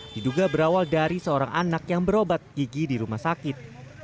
diduga berawal dari seorang anak yang berobat gigi di rumah sakit